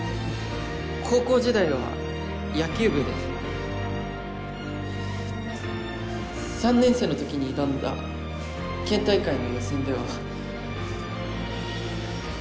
高校時代は野球部でえっと３年生の時に挑んだ県大会の予選では。